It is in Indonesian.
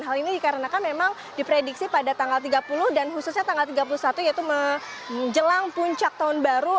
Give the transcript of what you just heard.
hal ini dikarenakan memang diprediksi pada tanggal tiga puluh dan khususnya tanggal tiga puluh satu yaitu menjelang puncak tahun baru